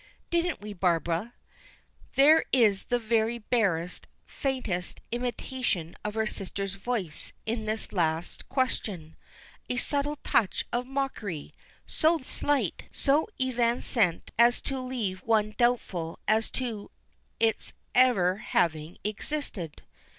Didn't we, Barbara?" There is the very barest, faintest imitation of her sister's voice in this last question; a subtle touch of mockery, so slight, so evanescent as to leave one doubtful as to its ever having existed.